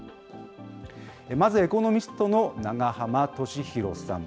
まず、エコノミストの永濱利廣さん。